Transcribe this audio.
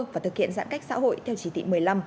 và thực hiện giãn cách xã hội theo chỉ thị một mươi năm